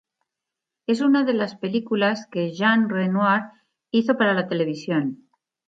Es una de las películas que Jean Renoir hizo para la televisión.